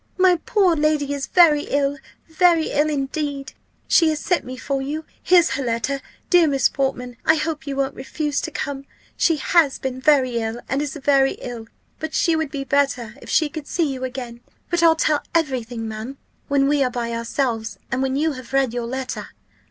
my poor lady is very ill very ill, indeed. She has sent me for you here's her letter. Dear Miss Portman, I hope you won't refuse to come; she has been very ill, and is very ill; but she would be better, if she could see you again. But I'll tell every thing, ma'am, when we are by ourselves, and when you have read your letter."